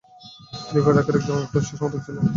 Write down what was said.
তিনি পেটরার্কের একজন একনিষ্ঠ সমর্থক ছিলেন।